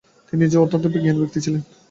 তিনি নিজেও অত্যন্ত জ্ঞানী ব্যক্তি ছিলেন।